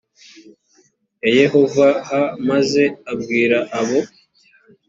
ya yehova h maze ubwire abo